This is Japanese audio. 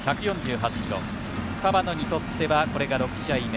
河野にとって、これが６試合目。